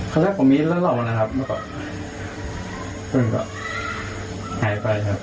กดดหน่อย